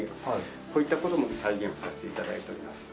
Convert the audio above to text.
こういった事も再現させて頂いております。